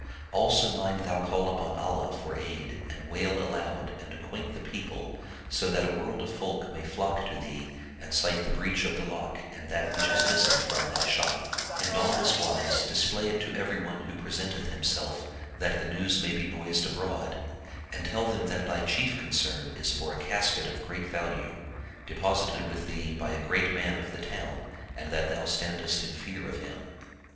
Also mind thou call upon Allah for aid and wail aloud and acquaint the people, so that a world of folk may flock to thee and sight the breach of the lock and that which is missing from thy shop: and on this wise display it to everyone who presenteth himself that the news may be noised abroad, and tell them that thy chief concern is for a casket of great value, deposited with thee by a great man of the town and that thou standest in fear of him.